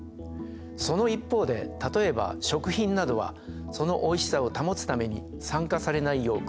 その一方で例えば食品などはそのおいしさを保つために酸化されないよう工夫されています。